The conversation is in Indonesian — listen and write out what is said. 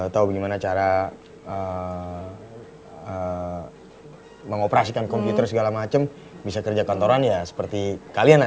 tahu gimana cara mengoperasikan komputer segala macam bisa kerja kantoran ya seperti kalian lah